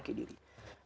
dan juga memperbaiki diri